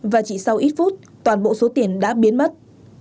và chỉ sau ít phút toàn bộ số tiền đã biến mất